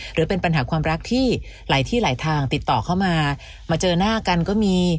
หรือเป็นปัญหาความรักที่หลายที่หลายทางติดต่อเข้ามามาเจอหน้ากันก็มี